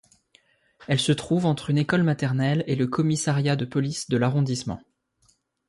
Elle se trouve entre une école maternelle et le commissariat de police de l'arrondissement.